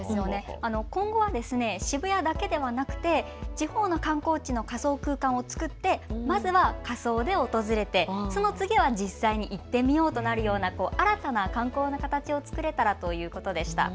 今後は渋谷だけではなくて地方の観光地の仮想空間を作ってまずは仮想で訪れて、その次は実際に行ってみようとなるような新たな観光の形を作れたらということでした。